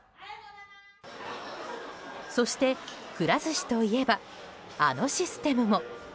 そして、くら寿司といえばあのシステムも。